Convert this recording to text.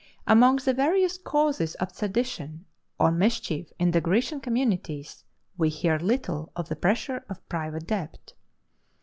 Among the various causes of sedition or mischief in the Grecian communities, we hear little of the pressure of private debt.